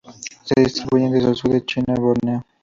Se distribuyen desde el sur de China a Borneo.